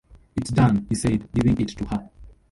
“It’s done,” he said, giving it to her.